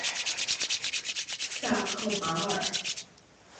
萨克马尔。